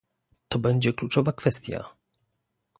To będzie kluczowa kwestia